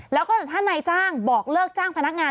แล้วก็ถ้านายจ้างบอกเลิกจ้างพนักงาน